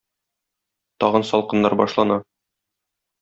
Тагын салкыннар башлана...